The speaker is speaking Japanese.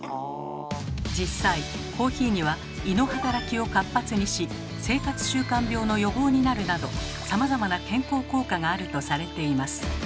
実際コーヒーには胃の働きを活発にし生活習慣病の予防になるなどさまざまな健康効果があるとされています。